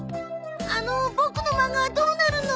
あのボクの漫画はどうなるの？